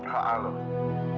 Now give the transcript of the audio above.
aku harus kemana tuhan